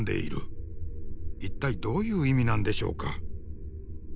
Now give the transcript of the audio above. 一体どういう意味なんでしょうか。